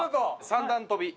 三段跳び。